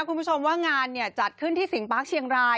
คุณผู้ชมว่างานเนี่ยจัดขึ้นที่สิงปาร์คเชียงราย